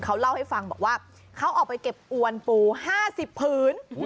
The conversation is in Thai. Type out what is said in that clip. เขาเล่าให้ฟังบอกว่าเขาออกไปเก็บอวนปู๕๐ผืน